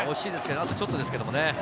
あとちょっとですけどね。